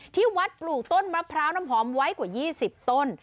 ที่วัดปลูกต้นมะพร้าวน้ำหอมไว้กว่า๒๐ต้น